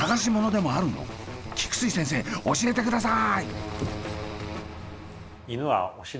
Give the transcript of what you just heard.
菊水先生教えてください！